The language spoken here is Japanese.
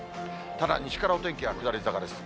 ただ、西からお天気は下り坂です。